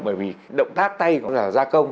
bởi vì động tác tay cũng là gia công